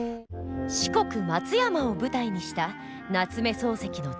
四国松山を舞台にした夏目漱石の中編小説。